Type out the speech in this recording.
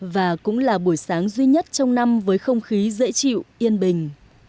và cũng là buổi sáng duy nhất trong năm với không khí dễ chịu yên bình